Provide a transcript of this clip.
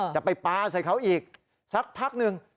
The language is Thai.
จะไปปลาใส่เขาอีกสักพักหนึ่ง